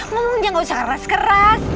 ngomongnya gak usah keras keras